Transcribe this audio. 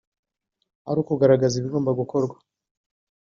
ari ukugaragaza ibigomba gukorwa